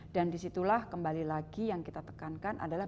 dan disitulah kembali lagi yang kita tekankan adalah